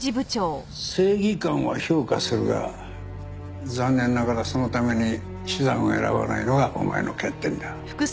正義感は評価するが残念ながらそのために手段を選ばないのがお前の欠点だ。